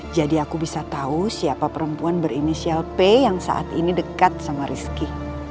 jadi aku bisa tau siapa perempuan berinisial p yang saat ini dekat sama rizky